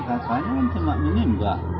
katanya mungkin tidak menembak